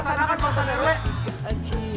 siap pak ustaz doi